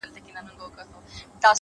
• غوړېدلی به ټغر وي د خوښیو اخترونو,